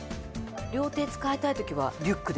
両手使いたい時はリュックで。